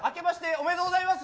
ありがとうございます。